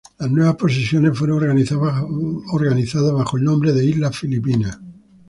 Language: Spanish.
Las nuevas posesiones fueron organizadas bajo el nombre de islas Filipinas.